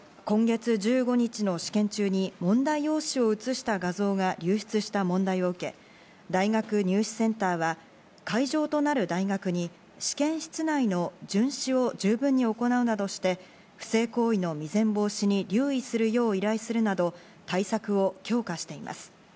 今月１５日の試験中に問題用紙を写した画像が流出した問題を受け、大学入試センターは会場となる大学に試験室内の巡視をじゅうぶんに行うなどして、不正行為の未然防止に留意するよう依頼するなど対策を強化しています。